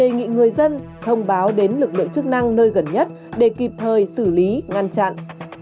người dân thông báo đến lực lượng chức năng nơi gần nhất để kịp thời xử lý ngăn chặn